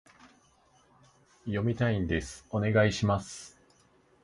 読みたいんです、お願いします